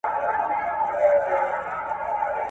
په کار کې مهارت پیدا کړئ.